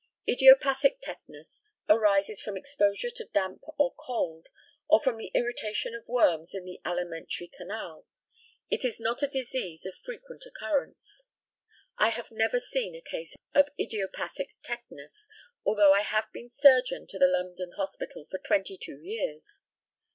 Idiopathic tetanus arises from exposure to damp or cold, or from the irritation of worms in the alimentary canal. It is not a disease of frequent occurrence. I have never seen a case of idiopathic tetanus, although I have been surgeon to the London Hospital for twenty two years.